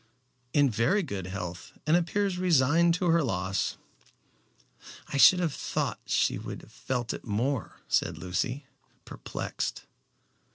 "In very good health, and appears resigned to her loss." "I should have thought she would have felt it more," said Lucy, perplexed.